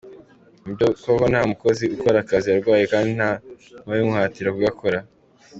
Ni byo koko nta mukozi ukora akazi arwaye kandi nta n’uwabimuhatira kugakora.